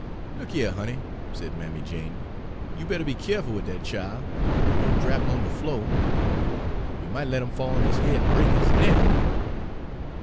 "Look a hyuh, honey," said Mammy Jane, "you better be keerful wid dat chile, an' don' drap 'im on de flo'. You might let him fall on his head an' break his neck.